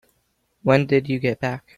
When did you get back?